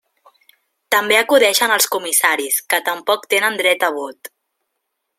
També acudeixen els comissaris, que tampoc tenen dret a vot.